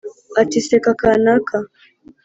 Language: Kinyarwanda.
Ati seka kaanaka